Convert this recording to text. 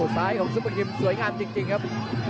สายของซุปกรีมสวยงามจริงครับ